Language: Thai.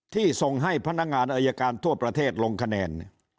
ที่ส่งให้พนักงานอายการทั่วประเทศลงคะแนน